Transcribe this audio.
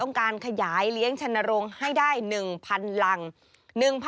ต้องการขยายเลี้ยงชันโนรงให้ได้๑๐๐๐ลัง